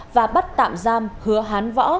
và bắt tạm giam hứa hán võ